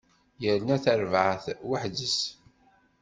Yerna tarbaɛt weḥd-s.